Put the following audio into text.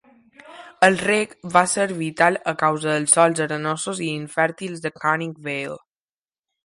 El reg va ser vital a causa dels sòls arenosos i infèrtils de Canning Vale.